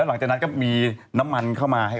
หลังจากนั้นก็มีน้ำมันเข้ามาให้